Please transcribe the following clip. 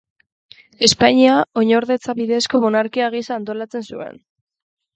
Espainia oinordetza bidezko monarkia gisa antolatzen zuen.